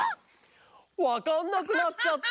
わかんなくなっちゃった！